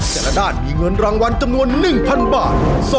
แต่ละด้านมีเงินรางวัลจำนวน๑๐๐บาท